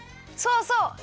そうそう！